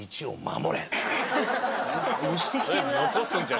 押してきてるな。